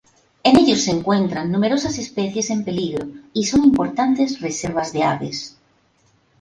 En ellos se encuentran numerosas especies en peligro y son importantes reservas de aves.